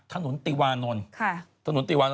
ถนนติวานนล